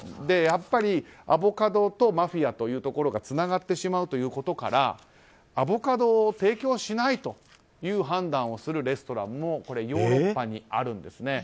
やっぱりアボカドとマフィアというところがつながってしまうということからアボカドを提供しないという判断をするレストランもヨーロッパにあるんです。